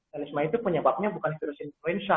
danisme itu penyebabnya bukan virus influenza